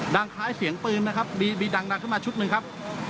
ดังคล้ายเสียงปืนนะครับมีดังขึ้นมาชุดหนึ่งครับ